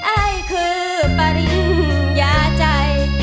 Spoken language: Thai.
ไอ้คือปริญญาใจ